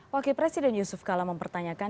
wakil presiden yusuf kala mempertanyakan